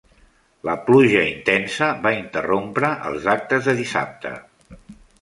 La pluja intensa va interrompre els actes de dissabte.